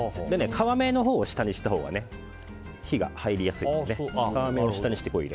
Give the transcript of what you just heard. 皮目のほうを下にしたほうが火が入りやすいです。